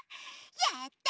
やった！